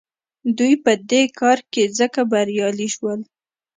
دوی په دې کار کې ځکه بریالي شول.